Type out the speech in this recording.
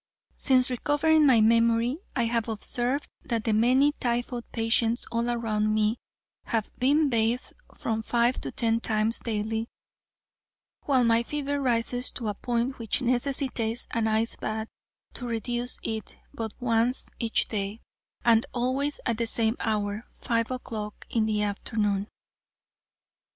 Since recovering my memory I have observed that the many typhoid patients all around me have been bathed from five to ten times daily, while my fever rises to a point which necessitates an ice bath to reduce it but once each day, and always at the same hour, five o'clock in the afternoon.